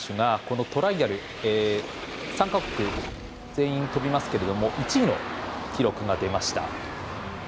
小林陵侑選手がトライアル参加全員飛びますけれども１位の記録が出ました。